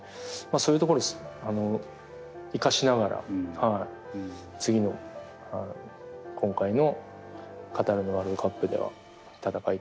あそういうところ生かしながら次の今回のカタールのワールドカップでは戦いたいなと思いますね。